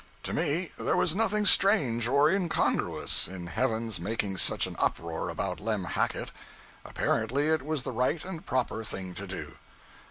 To me there was nothing strange or incongruous in heaven's making such an uproar about Lem Hackett. Apparently it was the right and proper thing to do.